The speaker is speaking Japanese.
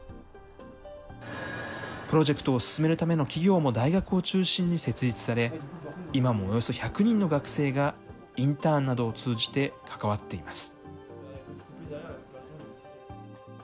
プロジェクトを進めるための企業も大学を中心に設立され、今もおよそ１００人の学生が、インターンなどを通じて関わっています。